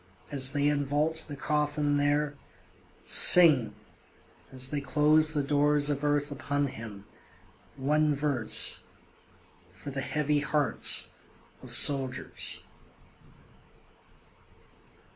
As they invault the coffin there, Sing as they close the doors of earth upon him one verse, For the heavy hearts of soldiers.